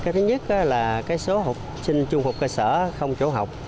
cái thứ nhất là số học sinh trung học cơ sở không chỗ học